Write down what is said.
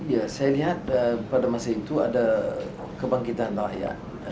ya saya lihat pada masa itu ada kebangkitan rakyat